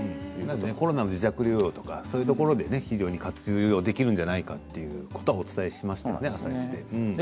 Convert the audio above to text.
コロナの自宅療養とかそういうところで活用できるんじゃないかということをお伝えしましたよね、「あさイチ」でも。